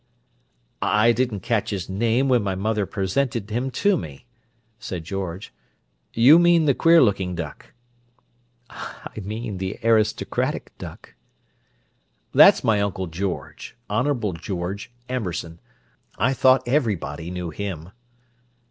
"I didn't catch his name when my mother presented him to me," said George. "You mean the queer looking duck." "I mean the aristocratic duck." "That's my Uncle George Honourable George Amberson. I thought everybody knew him."